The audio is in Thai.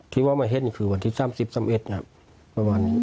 คิดว่าไม่เห็นคือวันที่๓๐๓๑ครับ